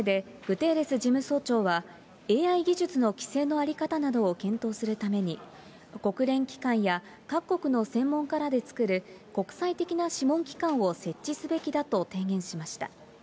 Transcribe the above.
その上で、グテーレス事務総長は、ＡＩ技術の規制の在り方などを検討するために、国連機関や各国の専門家らで作る国際的な諮問機関を設置すべきだと提言しました。